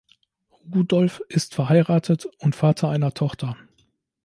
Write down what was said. Rudolph ist verheiratet und Vater einer Tochter.